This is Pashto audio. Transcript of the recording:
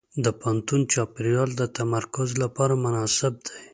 د پوهنتون چاپېریال د تمرکز لپاره مناسب دی.